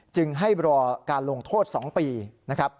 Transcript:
จึงให้รอการลงโทษ๒ปีนะครับ